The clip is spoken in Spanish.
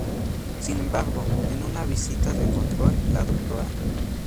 Sin embargo, en una visita de control, la Dra.